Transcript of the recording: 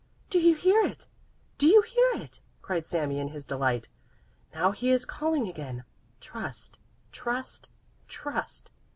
"Do you hear it? Do you hear it?" cried Sami in his delight. "Now he is calling again: 'Trust! Trust! Trust!